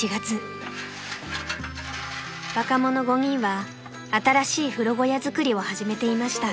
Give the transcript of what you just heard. ［若者５人は新しい風呂小屋づくりを始めていました］